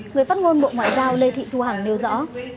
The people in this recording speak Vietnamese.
người phát ngôn bộ ngoại giao lê thị thu hằng nêu rõ